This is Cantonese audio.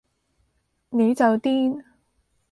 你就癲